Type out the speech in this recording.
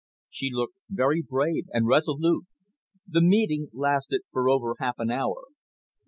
She looked very brave and resolute. The meeting lasted for over half an hour.